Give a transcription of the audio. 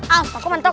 ah aku mantok